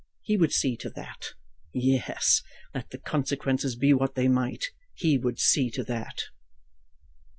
He would see to that! Yes; let the consequences be what they might, he would see to that!